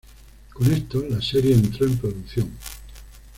Con esto, la serie entró en producción.